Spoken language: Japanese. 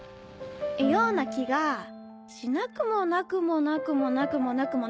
ような気がしなくもなくもなくもなくもなくもなくもない！